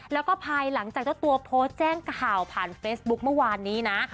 แล้วก็ภายหลังจากเจ้าตัวโพสต์แจ้งข่าวผ่านเฟซบุ๊คเมื่อวานนี้นะ